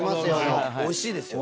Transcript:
おいしいですよね。